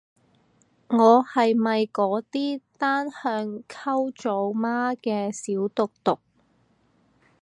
我係咪嗰啲單向溝組媽嘅小毒毒